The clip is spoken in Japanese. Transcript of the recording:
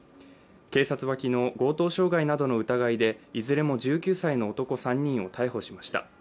警察は昨日、強盗傷害などの疑いでいずれも１９歳の男３人を逮捕しました。